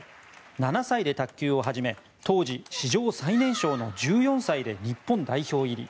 ７歳で卓球をはじめ当時、史上最年少の１４歳で日本代表入り。